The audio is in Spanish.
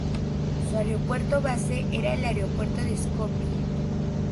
Su Aeropuerto base era el Aeropuerto de Skopie.